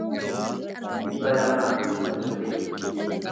dhibba lamaa fi kudha saddeet